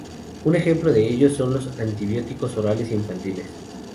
Un ejemplo de ellos son los antibióticos orales infantiles.